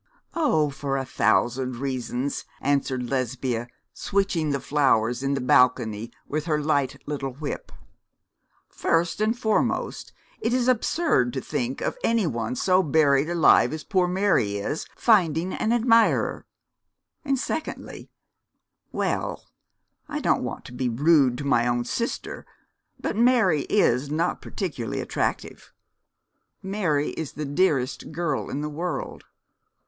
'Oh, for a thousand reasons,' answered Lesbia, switching the flowers in the balcony with her light little whip. 'First and foremost it is absurd to think of any one so buried alive as poor Mary is finding an admirer; and secondly well I don't want to be rude to my own sister but Mary is not particularly attractive.' 'Mary is the dearest girl in the world.'